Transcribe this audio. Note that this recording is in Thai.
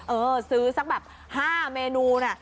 เออซื้อสักแบบ๕เมนูนะ